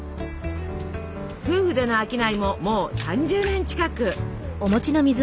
夫婦での商いももう３０年近く。